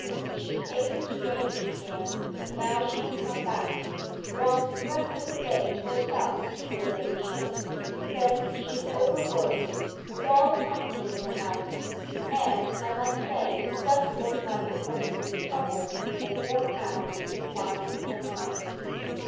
She's taken strange again, now she has come back. Wants the rest of the day to herself, your ladyship. Says she's overworked, with all the company in the house and, I must say, does look like a person troubled and worn out in body and mind."